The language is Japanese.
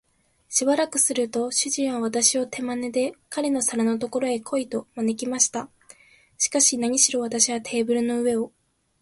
しばらくすると、主人は私を手まねで、彼の皿のところへ来い、と招きました。しかし、なにしろ私はテーブルの上を